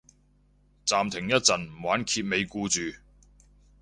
暫停一陣唔玩揭尾故住